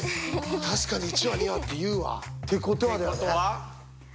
確かに１羽２羽って言うわ。ってことは？